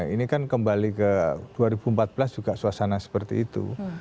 ini kan kembali ke dua ribu empat belas juga suasana seperti itu